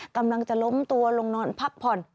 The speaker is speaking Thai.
กำลังจะล้มตัวลงนอนพักผ่อน